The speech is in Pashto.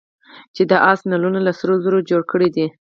چا د آس نعلونه له سرو زرو جوړ کړي دي.